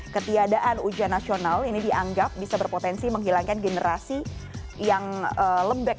ketiadaan ujian nasional ini dianggap bisa berpotensi menghilangkan generasi yang lembek